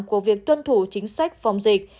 của việc tuân thủ chính sách phòng dịch